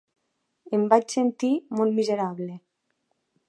Em vaig sentir molt miserable.